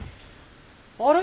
あれ？